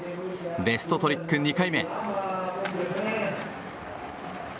ベストトリック２回目。